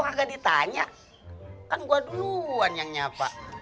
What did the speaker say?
kok agak ditanya kan gua duluan yang nyapa